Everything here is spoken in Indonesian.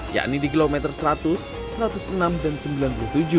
yakni di kilometer seratus satu ratus enam dan sembilan puluh tujuh